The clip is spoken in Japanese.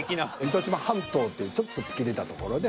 糸島半島っていうちょっと突き出た所で。